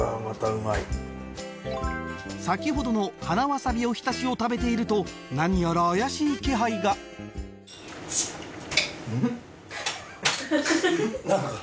先ほどの花わさびお浸しを食べているとなにやら怪しい気配がんっ？